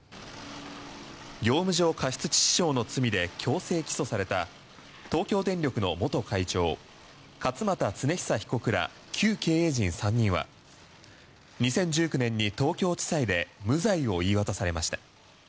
業務上過失致死傷の罪で強制起訴された東京電力の元会長勝俣恒久被告ら旧経営陣３人は２０１９年に東京地裁で無罪を言い渡されました。